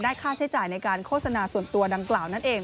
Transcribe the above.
ค่าใช้จ่ายในการโฆษณาส่วนตัวดังกล่าวนั่นเอง